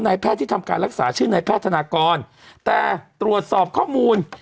แพทย์ที่ทำการรักษาชื่อนายแพทย์ธนากรแต่ตรวจสอบข้อมูล